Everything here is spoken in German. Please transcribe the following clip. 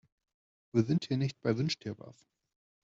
Wir sind hier nicht bei Wünsch-dir-was.